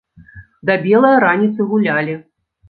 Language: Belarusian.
Да белае раніцы гулялі.